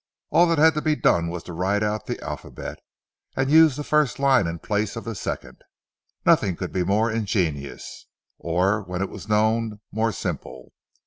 All that had to be done was to write out the alphabet as above, and use the first line in place of the second. Nothing could be more ingenious, or when it was known more simple.